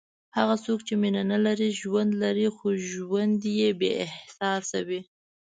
هغه څوک چې مینه نه لري، ژوند لري خو ژوند یې بېاحساسه وي.